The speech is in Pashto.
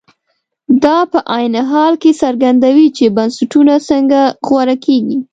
دا په عین حال کې څرګندوي چې بنسټونه څنګه غوره کېږي.